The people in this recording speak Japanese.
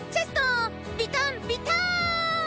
ビターンビターン！